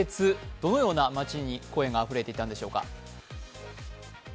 どのような声が街にあふれていたのでしょうか。